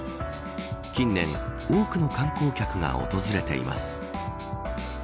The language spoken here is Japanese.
近年、多くの観光客が訪れています。